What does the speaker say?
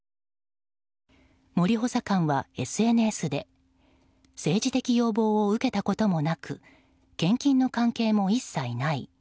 森補佐官はＳＮＳで政治的要望を受けたこともなく献金の関係も一切ない。